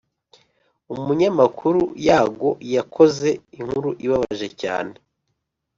umunyamakuru Yago yakoze inkuru ibabaje cyane